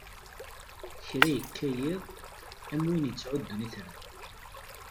Kra ikka yiḍ, am win ittɛuddun itran.